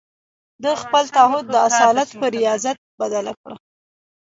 د خپل تعهد د اصالت پر رياضت بدله کړه.